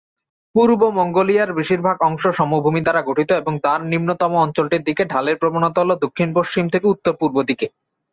পূর্ব মঙ্গোলিয়ার বেশিরভাগ অংশ সমভূমি দ্বারা গঠিত এবং তার নিম্নতম অঞ্চলটির দিকে ঢালের প্রবণতা হ'ল দক্ষিণ-পশ্চিম থেকে উত্তর-পূর্ব দিকে।